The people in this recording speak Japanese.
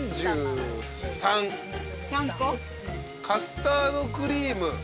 カスタードクリーム３。